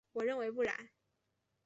我认为不然。